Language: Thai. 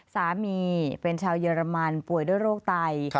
สามีเป็นชาวเยอรมันป่วยด้วยโรคไต